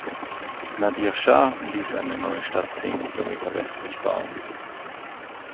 Nadir Schah ließ eine neue Stadt zehn Kilometer westlich bauen.